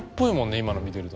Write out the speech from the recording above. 今の見てると。